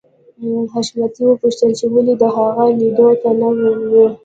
حشمتي وپوښتل چې ولې د هغه لیدو ته نه ورې